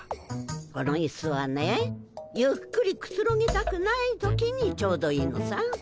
このイスはねゆっくりくつろぎたくない時にちょうどいいのさ。